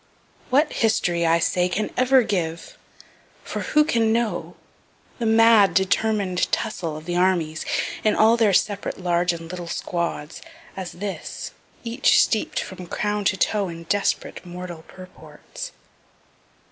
What history, I say, can ever give for who can know the mad, determin'd tussle of the armies, in all their separate large and little squads as this each steep'd from crown to toe in desperate, mortal purports?